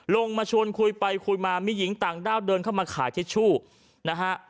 ลงมาชวนคุยไปคุยมามีหญิงต่างด้าวเดินเข้ามาขายทิชชู่นะฮะ